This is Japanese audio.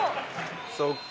そう。